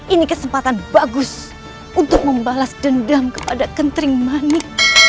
ini kesempatan bagus untuk membalas dendam kepada kentring manik